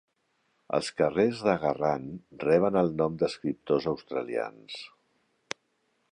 Els carrers de Garran reben el nom d"escriptors australians.